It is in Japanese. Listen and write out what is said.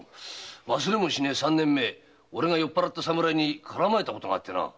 三年前俺が酔っ払った侍に絡まれたことがあってな。